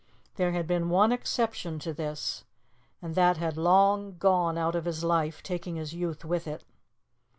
There had been one exception to this, and that had long gone out of his life, taking his youth with it.